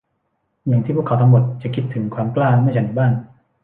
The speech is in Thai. อย่างที่พวกเขาทั้งหมดจะคิดถึงความกล้าเมื่อฉันอยู่บ้าน